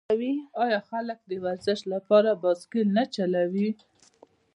آیا خلک د ورزش لپاره بایسکل نه چلوي؟